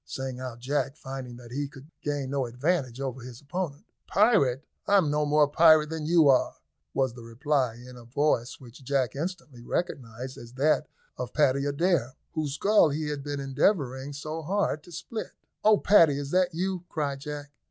sang out Jack, finding that he could gain no advantage over his opponent. "Pirate! I'm no more pirate than you are," was the reply, in a voice which Jack instantly recognised as that of Paddy Adair, whose skull he had been endeavouring so hard to split. "Oh! Paddy, is that you?" cried Jack.